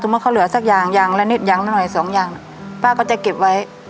เขาเหลือสักอย่างอย่างละนิดอย่างละหน่อยสองอย่างป้าก็จะเก็บไว้